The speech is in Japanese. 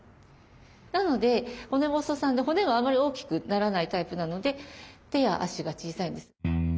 なので骨細さんで骨があまり大きくならないタイプなので手や足が小さいんです。